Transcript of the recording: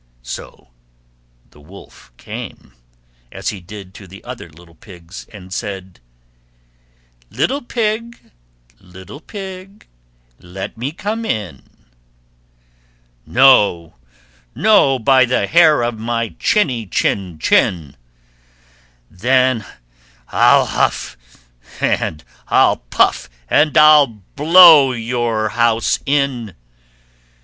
So the Wolf came, as he did to the other little Pigs, and said, "Little Pig, little Pig, let me come in." "No, no, by the hair of my chinny chin chin." "Then I'll huff and I'll puff, and I'll blow your house in."